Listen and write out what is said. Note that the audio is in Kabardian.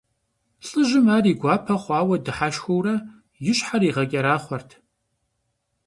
ЛӀыжьым ар и гуапэ хъуауэ дыхьэшхыурэ и щхьэр игъэкӀэрахъуэрт.